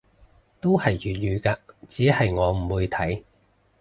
都係粵語嘅，只係我唔會睇